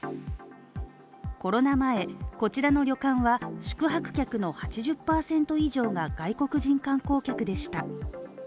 コロナ前、こちらの旅館は宿泊客の８０％以上が外国人観光客でした。